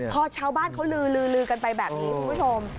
พอชาวบ้านเขาลือกันไปแบบนี้คุณผู้ชม